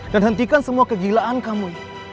dan hentikan semua kegilaan kamu